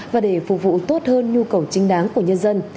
và để phục vụ tốt hơn nhu cầu trinh đại